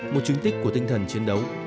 một chính tích của tinh thần chiến đấu